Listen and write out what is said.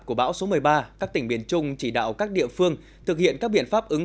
của bão số một mươi ba các tỉnh biển trung chỉ đạo các địa phương thực hiện các biện pháp ứng